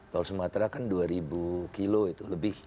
tol sumatera kan dua ribu kilo itu lebih dua ribu kilo